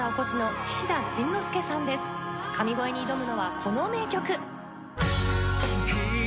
神声に挑むのはこの名曲。